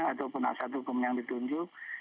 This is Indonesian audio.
ataupun penasihat hukum yang ditunjuk